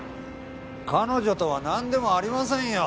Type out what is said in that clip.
彼女とはなんでもありませんよ。